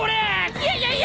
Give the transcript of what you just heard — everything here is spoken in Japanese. いやいやいや！